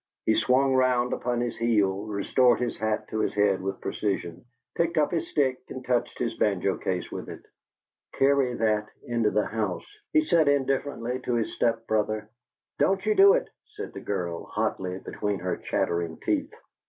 He swung round upon his heel, restored his hat to his head with precision, picked up his stick and touched his banjo case with it. "Carry that into the house," he said, indifferently, to his step brother. "Don't you do it!" said the girl, hotly, between her chattering teeth.